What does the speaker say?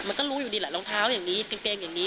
มันก็รู้อยู่ดีแหละรองเท้าอย่างนี้กางเกงอย่างนี้